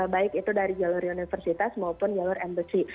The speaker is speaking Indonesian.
baik itu dari jalur universitas maupun jalur mbc